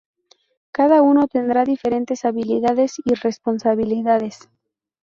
Cada uno tendrá diferentes habilidades y responsabilidades.